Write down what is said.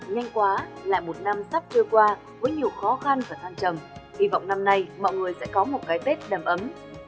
nhanh quá lại một năm sắp trôi qua với nhiều khó khăn và than trầm hy vọng năm nay mọi người sẽ có một cái tết đầm ấm